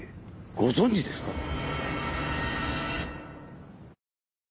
ご存じですか？